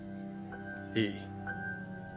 いい。